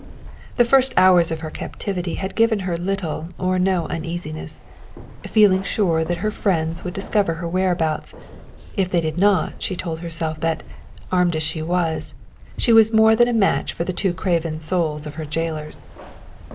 The first hours of her captivity had given her little or no uneasiness, feeling sure that her friends would discover her whereabouts; if they did not, she told herself that, armed as she was, she was more than a match for the two craven souls of her jailers.